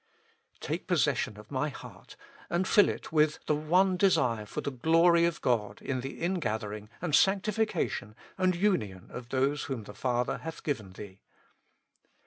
Take possession of my heart, and fill it with the one desire for the glory of God in the ingathering, and sanctification, and union of those whom the Father hath given Thee.